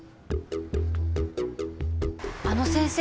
あの先生